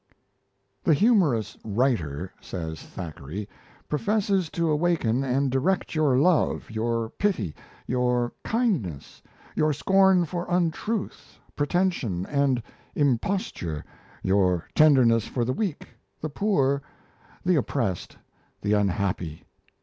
"The humorous writer," says Thackeray, "professes to awaken and direct your love, your pity, your kindness, your scorn for untruth, pretension, and imposture, your tenderness for the weak, the poor, the oppressed, the unhappy.